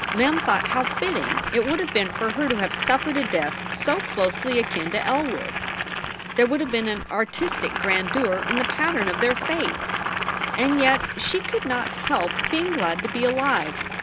Mem thought how fitting it would have been for her to have suffered a death so closely akin to El wood s. There would have been an artistic grandeur in the pattern of their fates. And yet she could not help being glad to be alive.